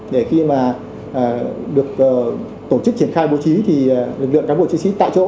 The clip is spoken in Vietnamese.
để khi mà được tổ chức triển khai bố trí thì lực lượng cán bộ chiến sĩ tại chỗ